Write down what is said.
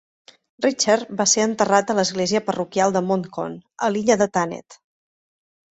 Richard va ser enterrat a l'església parroquial de Monkton, a l'illa de Thanet.